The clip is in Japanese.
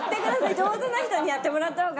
上手な人にやってもらった方が。